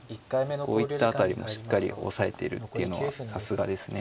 こういった辺りもしっかり押さえているっていうのはさすがですね。